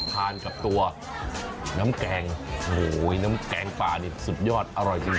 ทานกับตัวน้ำแกงโอ้โหน้ำแกงป่านี่สุดยอดอร่อยจริง